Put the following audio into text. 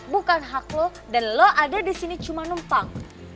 bukan hak lo dan lo ada di sini cuma numpang